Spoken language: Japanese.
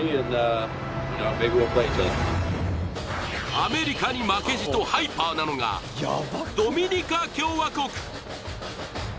アメリカに負けじとハイパーなのがドミニカ共和国。